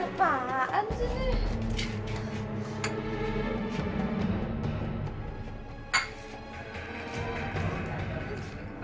apaan sih ini